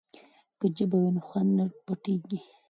که ژبه وي نو خوند نه پټیږي.